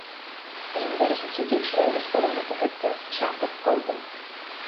Ә инде өсөнсө тикшереү өс баланы күрһәткәс, шаңҡып ҡалдым.